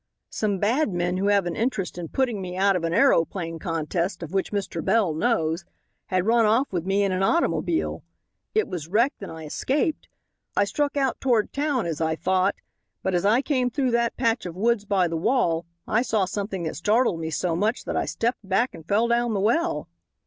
Some bad men who have an interest in putting me out of an aeroplane contest, of which Mr. Bell knows, had run off with me in an automobile. It was wrecked, and I escaped. I struck out toward town, as I thought, but as I came through that patch of woods by the wall I saw something that startled me so much that I stepped back and fell down the well."